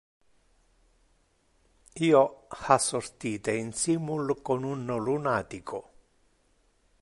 Io ha sortite insimul con un lunatico.